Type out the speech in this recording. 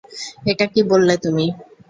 এটা কী বললে তুমি?